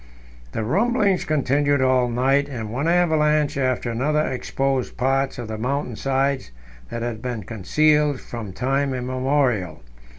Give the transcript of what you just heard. The rumblings continued all night, and one avalanche after another exposed parts of the mountain sides that had been concealed from time immemorial.